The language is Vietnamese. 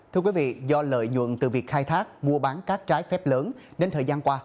thưa quý vị do lợi nhuận từ việc khai thác mua bán cát trái phép lớn nên thời gian qua